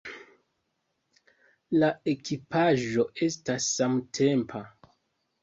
La ekipaĵo estas samtempa.